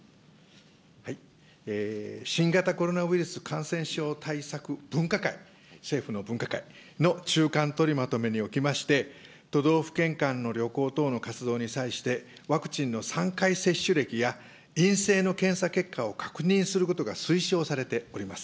新型コロナウイルス感染症対策分科会、政府の分科会の中間取りまとめにおきまして、都道府県間の旅行等の活動に際して、ワクチンの３回接種歴や陰性の検査結果を確認することが推奨されております。